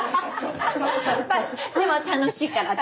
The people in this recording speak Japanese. でも楽しいからって。